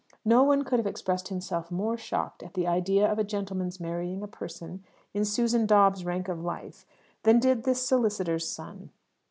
No one could have expressed himself more shocked at the idea of a gentleman's marrying a person in Susan Dobbs's rank of life than did this solicitor's son.